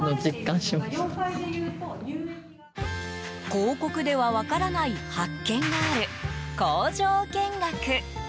広告では分からない発見がある工場見学。